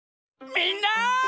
みんな！